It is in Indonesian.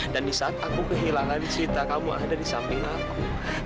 dan di saat aku kehilangan cerita kamu ada di samping aku